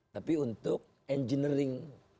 tapi untuk engineering